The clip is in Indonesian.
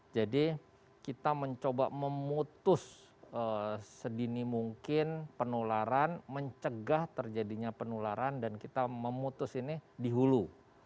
jadi kita mencoba memutus sedini mungkin penularan mencegah terjadinya penularan dan kita memutus ini dihulu